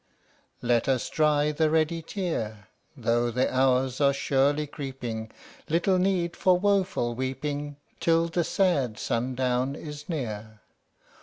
so THE STORY OF THE MIKADO Let us dry the ready tear; Though the hours are surely creeping, Little need for woeful weeping Till the sad sundown is near.